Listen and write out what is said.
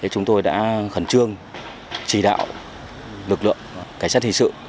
chúng tôi đã khẩn trương trì đạo lực lượng cải sát hình sự